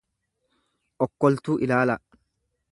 okkoltuu ilaalaa.